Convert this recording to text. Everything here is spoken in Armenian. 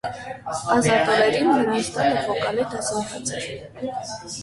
Ազատ օրերին նրանց տանը վոկալի դասընթաց էր։